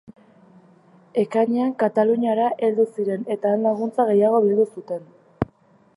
Ekainean Kataluniara heldu ziren eta han laguntza gehiago bildu zuten.